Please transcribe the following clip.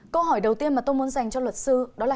câu hỏi đầu tiên mà tôi muốn dành cho luật sư đó là